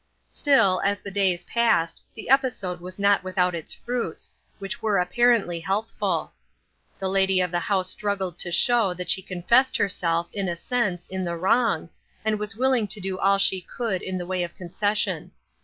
Still, as the days passed, the episode was not without its fruits, which were apparently healthful. The lady of the house struggled to show that she confessed herself, in a sense, in the wrong, and was willing to do all she could in the way of con cession.